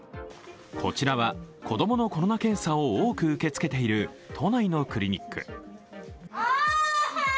こちらは子供のコロナ検査を多く受け付けている都内のクリニック。